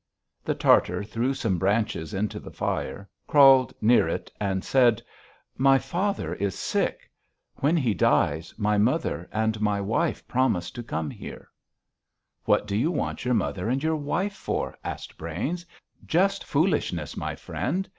The Tartar threw some branches onto the fire, crawled near to it and said: "My father is sick. When he dies, my mother and my wife have promised to come here." "What do you want your mother and your wife for?" asked Brains. "Just foolishness, my friend.